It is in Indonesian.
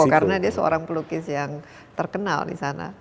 karena dia seorang pelukis yang terkenal di sana